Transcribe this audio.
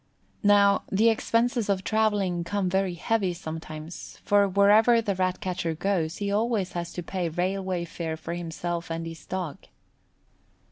Now, the expenses of travelling come very heavy sometimes, for wherever the Rat catcher goes he always has to pay railway fare for himself and his dog.